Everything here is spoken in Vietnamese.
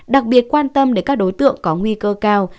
đặc biệt quan tâm đến các đối tượng có nguy cơ cao